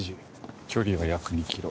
距離は約２キロ。